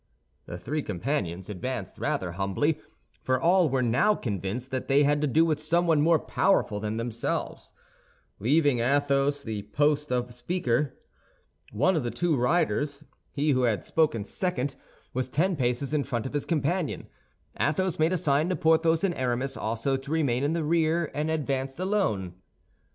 The three companions advanced rather humbly—for all were now convinced that they had to do with someone more powerful than themselves—leaving Athos the post of speaker. One of the two riders, he who had spoken second, was ten paces in front of his companion. Athos made a sign to Porthos and Aramis also to remain in the rear, and advanced alone.